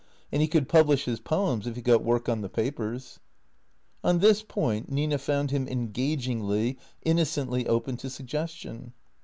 And he could publish his poems if he got work on the papers. On this point Nina found him engagingly, innocently open to sug gestion.